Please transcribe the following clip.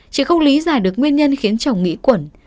chứ không lý giải được nguyên nhân khiến chồng nghĩ quẩn